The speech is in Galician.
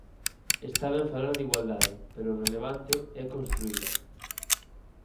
Esta ben falar de igualdade, pero o relevante é construíla.